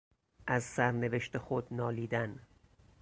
از سرنوشت خود نالیدن